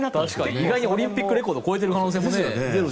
意外にオリンピックレコードを超えている可能性も出るかもしれないですね。